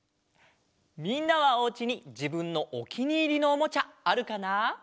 みんなはおうちにじぶんのおきにいりのおもちゃあるかな？